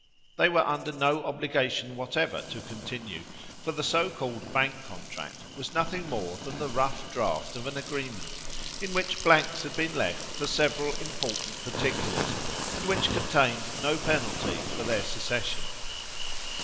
They were under no obligation whatever to continue; for the so called Bank contract was nothing more than the rough draught of an agreement, in which blanks had been left for several important particulars, and which contained no penalty for their secession.